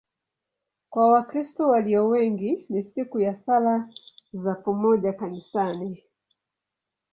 Kwa Wakristo walio wengi ni siku ya sala za pamoja kanisani.